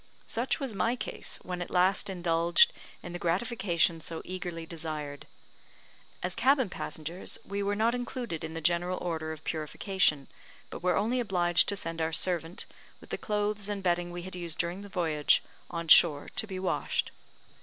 Such was my case when at last indulged in the gratification so eagerly desired. As cabin passengers, we were not included in the general order of purification, but were only obliged to send our servant, with the clothes and bedding we had used during the voyage, on shore, to be washed.